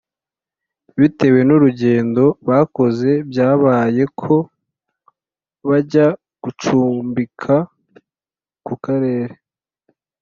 Bitewe n’urugendo bakoze byabaye ko bajya gucumbika ku karere